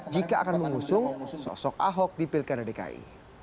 jika akan mengusung sosok ahok di pilkada dki